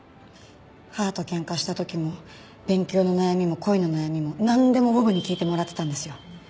母と喧嘩した時も勉強の悩みも恋の悩みもなんでもボブに聞いてもらってたんですよ。